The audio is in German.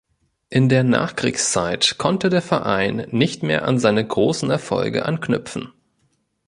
In der Nachkriegszeit konnte der Verein nicht mehr an seine großen Erfolge anknüpfen.